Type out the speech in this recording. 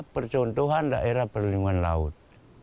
percontohan daerah perlindungan laut